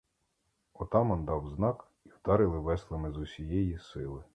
Отаман дав знак, і вдарили веслами з усієї сили.